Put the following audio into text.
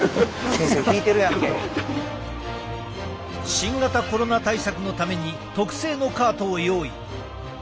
新型コロナ対策のために特製のカートを用意。